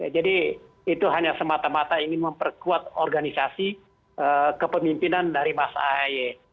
jadi itu hanya semata mata ingin memperkuat organisasi kepemimpinan dari mas ahy